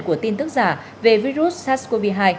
của tin tức giả về virus sars cov hai